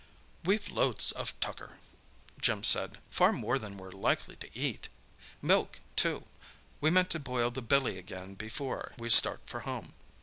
"We've loads of tucker," Jim said. "Far more than we're likely to eat. Milk, too. We meant to boil the billy again before we start for home."